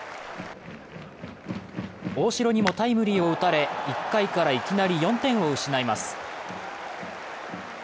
大城にもタイムリーを打たれ１回からいきなり４点を失います。